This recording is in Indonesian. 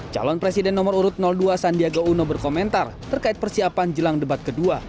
calon presiden nomor urut dua sandiaga uno berkomentar terkait persiapan jelang debat kedua